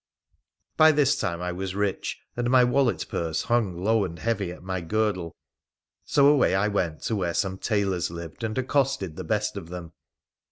15y this time I was rich, and my wallet purse hung low and heavy at my girdle, so away I went to where some tailors lived, and accosted the best of them.